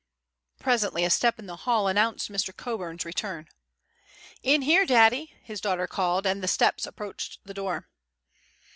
Presently a step in the hall announced Mr. Coburn's return. "In here, daddy," his daughter called, and the steps approached the door.